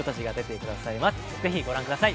ぜひご覧ください